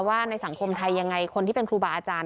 ว่าในสังคมไทยยังไงคนที่เป็นครูบาอาจารย์